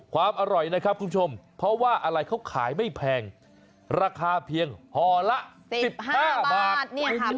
ใครคุณชมเพราะว่าอะไรเขาขายไม่แพงราคาเพียงหอละสิบห้าบาท